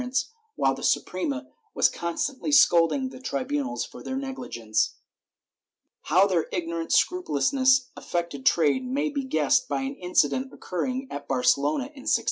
IV] SUPERVISION OF BOOK TRADE 507 while the Suprema was constantly scolding the tribunals for their negligence. How their ignorant scrupulousness affected trade may be guessed by an incident occurring at Barcelona in 1666.